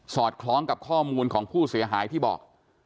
อดคล้องกับข้อมูลของผู้เสียหายที่บอก